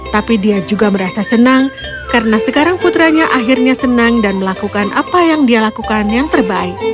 tapi dia juga merasa senang karena sekarang putranya akhirnya senang dan melakukan apa yang dia lakukan yang terbaik